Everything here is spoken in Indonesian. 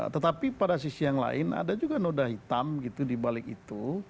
tetapi pada sisi yang lain ada juga noda hitam gitu dibalik itu